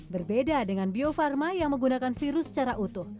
berbeda dengan bio farma yang menggunakan virus secara utuh